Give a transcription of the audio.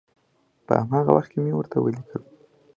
په هماغه وخت کې مې ورته ولیکل.